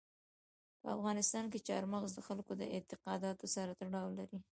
په افغانستان کې چار مغز د خلکو د اعتقاداتو سره تړاو لري.